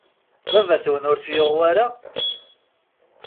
Baba-twen ur t-yuɣ wara?